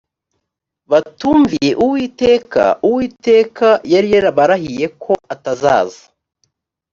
batumviye uwiteka uwiteka yari yarabarahiye ko atazaza